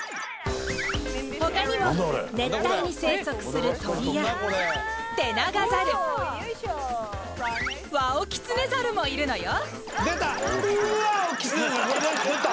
他にも熱帯に生息する鳥やテナガザルワオキツネザルもいるのよ出た！